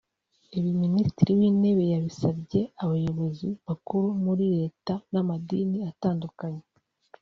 Ibi Ministiri w’Intebe yabisabye abayobozi bakuru muri Leta n’amadini atandukanye